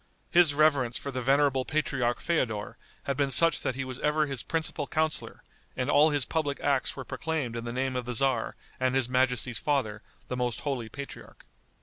His reverence for the venerable patriarch Feodor, had been such that he was ever his principal counselor, and all his public acts were proclaimed in the name of the tzar and his majesty's father, the most holy patriarch.